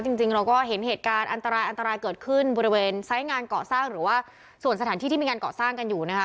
จริงเราก็เห็นเหตุการณ์อันตรายอันตรายเกิดขึ้นบริเวณไซส์งานเกาะสร้างหรือว่าส่วนสถานที่ที่มีการเกาะสร้างกันอยู่นะคะ